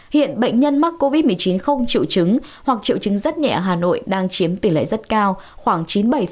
hiện bệnh nhân mắc covid một mươi chín không triệu chứng hoặc triệu chứng rất nhẹ ở hà nội đang chiếm tỷ lệ rất cao khoảng chín mươi bảy